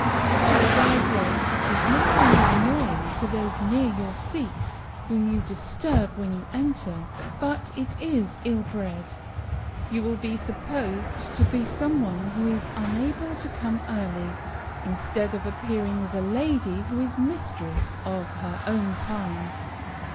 To arrive late is not only annoying to those near your seat, whom you disturb when you enter, but it is ill bred; you will be supposed to be some one who is unable to come early, instead of appearing as a lady who is mistress of her own time.